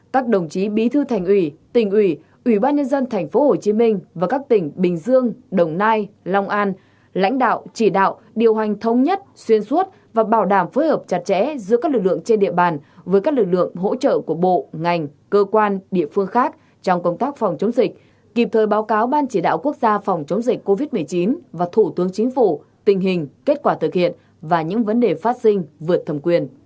bảy các đồng chí bí thư thành ủy tỉnh ủy ủy ban nhân dân thành phố hồ chí minh và các tỉnh bình dương đồng nai long an lãnh đạo chỉ đạo điều hành thông nhất xuyên suốt và bảo đảm phối hợp chặt chẽ giữa các lực lượng trên địa bàn với các lực lượng hỗ trợ của bộ ngành cơ quan địa phương khác trong công tác phòng chống dịch kịp thời báo cáo ban chỉ đạo quốc gia phòng chống dịch covid một mươi chín và thủ tướng chính phủ tình hình kết quả thực hiện và những vấn đề phát sinh vượt thầm quyền